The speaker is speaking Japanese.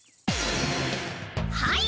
はい。